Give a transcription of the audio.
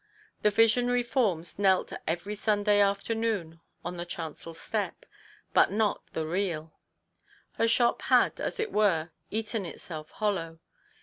The visionary forms knelt every Sunday afternoon on the chancel step, but not the real. Her shop had, as it were, eaten itself hollow.